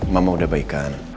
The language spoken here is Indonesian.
mama udah baikan